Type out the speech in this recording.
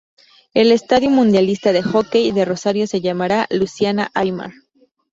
El estadio mundialista de hockey de rosario se llamará Luciana Aymar